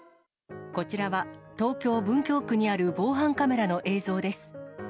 こちらは東京・文京区にある防犯カメラの映像です。